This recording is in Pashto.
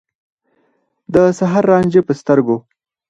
د سحر رانجه په سترګو